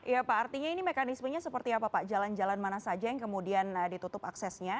ya pak artinya ini mekanismenya seperti apa pak jalan jalan mana saja yang kemudian ditutup aksesnya